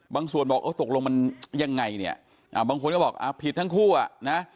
บางส่วนบอกเอ้าตกลงมันยังไงเนี่ยอ่าบางคนก็บอกอ่าผิดทั้งคู่อ่ะนะฮะ